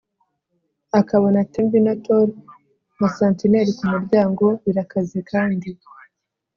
akabona tembi na tor nka sentinel kumuryango. birakaze kandi